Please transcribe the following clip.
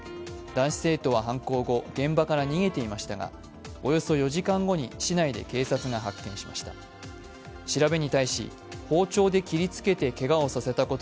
男子生徒は犯行後、現場から逃げていましたがおよそ４時間後に市内で警察が発見しました。